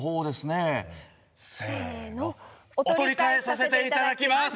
のせのお取り換えさせていただきます